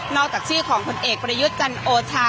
นอกจากชื่อของบนเอกประยุทธ์จันทร์โอชา